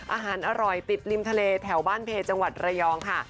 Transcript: อาหารอร่อยติดริมทะเลแถวบ้านเพจังหวัดระยองค่ะ